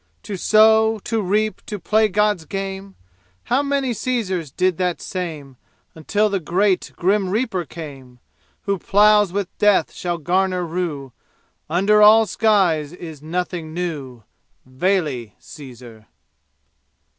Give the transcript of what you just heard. To sow to reap to play God's game? How many Caesars did that same Until the great, grim Reaper came! Who ploughs with death shall garner rue, And under all skies is nothing new. Vale, Caesar!